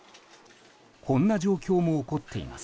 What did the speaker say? こんな状況も起こっています。